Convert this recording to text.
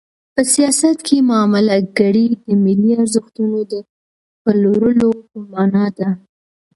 په سیاست کې معامله ګري د ملي ارزښتونو د پلورلو په مانا ده.